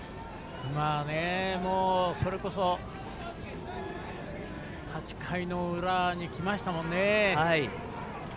それこそ８回の裏にきましたので。